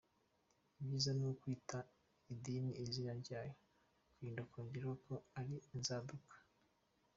Ibyiza ni ukwita idini izina ryaryo ukirinda kongeraho ko ari inzaduka .